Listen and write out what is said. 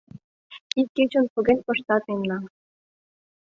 Ик кечын поген пыштат мемнам.